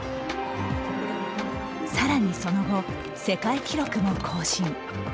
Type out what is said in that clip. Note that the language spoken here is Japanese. さらにその後、世界記録も更新。